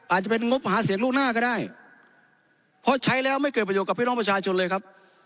อาจจะเป็นงบหาเสียงล่วงหน้าก็ได้เพราะใช้แล้วไม่เกิดประโยชนกับพี่น้องประชาชนเลยครับ